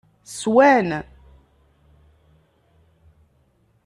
Swan.